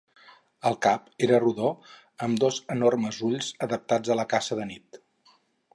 El cap era rodó amb dos enormes ulls adaptats a la caça de nit.